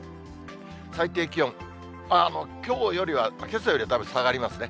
最低気温、きょうよりは、けさよりはだいぶ下がりますね。